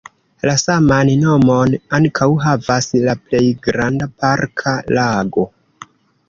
La saman nomon ankaŭ havas la plej granda parka lago.